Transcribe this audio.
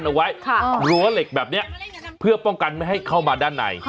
หลัวเหล็กแบบนี้เพื่อป้องกันให้เข้ามาด้านใน